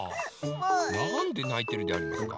なんでないてるでありますか？